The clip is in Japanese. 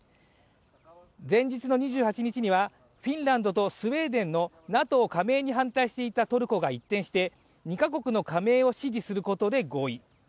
前日の２８日には、フィンランドとスウェーデンのＮＡＴＯ加盟に反対していたトルコが一転して２カ国の加盟を支持することで合意。